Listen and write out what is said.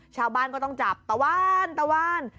ชาวบ้านก็ต้องจับตะวัน